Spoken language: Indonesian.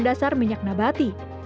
bahan dasar minyak nabati